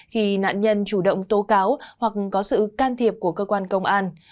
khi nạn nhân chủ động tố cáo hoặc có sự can thiệp của cơ quan công an